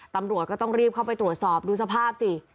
ตำรวจก็ต้องรีบเข้าไปตรวจสอบดูสภาพสิ